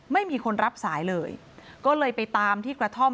ไม่มีคนรับสายเลยก็เลยไปตามที่กระท่อม